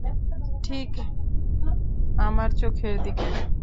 ঠিক আমার চোখের দিকে।